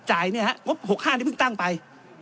จ่ายเนี่ยฮะงบ๖๕นี่เพิ่งตั้งไป